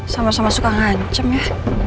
sama sama suka ngancem ya